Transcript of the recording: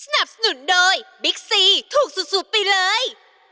สนับสนุนโดยบิ๊กซีถูกสุดไปเลย